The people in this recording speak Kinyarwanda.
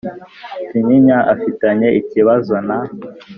Kinyinya Afitanye ikibazo na